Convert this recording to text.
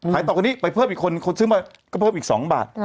ต่อคนนี้ไปเพิ่มอีกคนคนซื้อมาก็เพิ่มอีก๒บาท